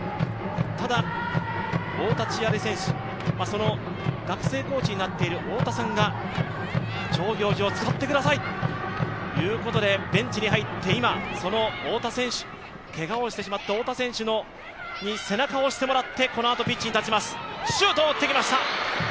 ただ太田千満選手、学生コーチになっている太田さんが長行司を使ってくださいということで、ベンチに入って、今そのけがをしてしまった太田選手に背中を押してもらってこのあとピッチに立ちます。